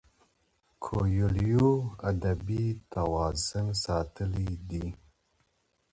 کویلیو ادبي توازن ساتلی دی.